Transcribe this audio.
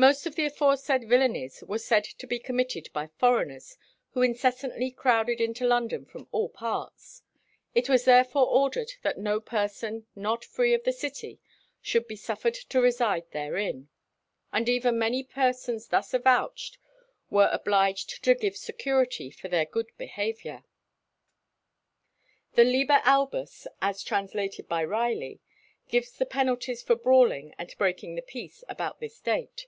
Most of the aforesaid villainies were said to be committed by foreigners who incessantly crowded into London from all parts; it was therefore ordered that no person not free of the city should be suffered to reside therein; and even many persons thus avouched were obliged to give security for their good behaviour. The "Liber Albus," as translated by Riley, gives the penalties for brawling and breaking the peace about this date.